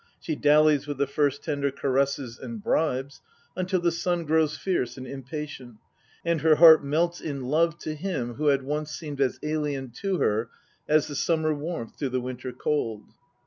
She dallies with the first tender caresses and bribes, until the Sun grows fierce and impatient, and her heart melts in love to him who had once seemed as alien to her as the sunr.'mer warmth to the winter cold.